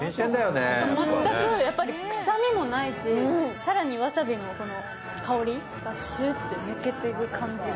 全く臭みもないし、更にわさびの香りがシュッと抜けていく感じが。